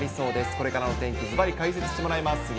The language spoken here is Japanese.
これからのお天気、ずばり解説してもらいます。